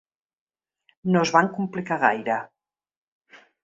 No es van complicar gaire.